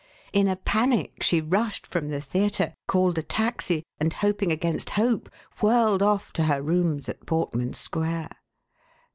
In a panic she rushed from the theatre, called a taxi, and, hoping against hope, whirled off to her rooms at Portman Square.